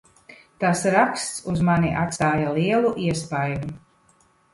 Tas raksts uz mani atstāja lielu iespaidu.